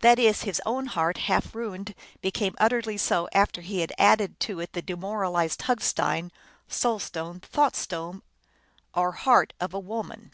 That is, his own heart, half ruined, became utterly so after he had added to it the demoralized hug stein, soul stone, thought stone, or heart of a woman.